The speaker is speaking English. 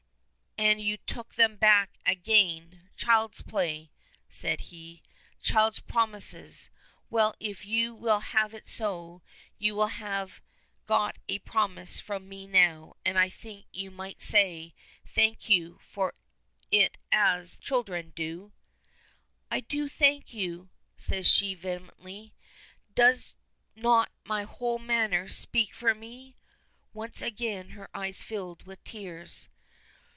"And took them back again! Child's play!" says he. "Child's promises. Well, if you will have it so, you have got a promise from me now, and I think you might say 'thank you' for it as the children do." "I do thank you!" says she vehemently. "Does not my whole manner speak for me?" Once again her eyes filled with tears.